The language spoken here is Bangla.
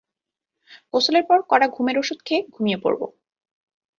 গোসলের পর কড়া ঘুমের ওষুধ খেয়ে ঘুমিয়ে পড়ব।